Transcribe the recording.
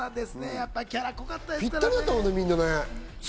ぴったりだったもんね、みんな。